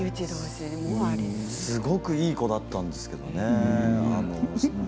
すごくいい子だったんですけどね。